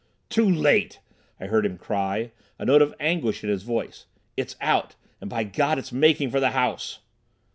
"Too late!" I heard him cry, a note of anguish in his voice. "It's out—and, by God, it's making for the house!"